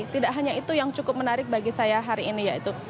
tidak hanya itu yang cukup menarik bagi saya hari ini yaitu